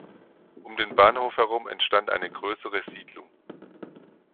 Um den Bahnhof herum entstand eine größere Siedlung.